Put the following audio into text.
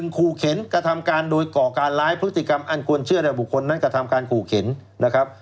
ขู่เข็นกระทำการโดยก่อการร้ายพฤติกรรมอันควรเชื่อในบุคคลนั้นกระทำการขู่เข็นนะครับ